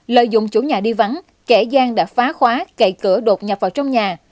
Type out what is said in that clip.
lợi dụng chủ nhà đi vắng kẻ gian đã phá khóa cậy cửa đột nhập vào trong nhà